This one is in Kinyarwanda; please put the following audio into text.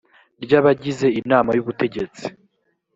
ry abagize inama y ubutegetsi